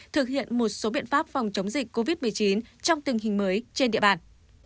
thực hiện một số biện pháp phòng chống dịch covid một mươi chín trong tình hình mới trên địa bàn